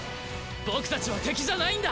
僕たちは敵じゃないんだ！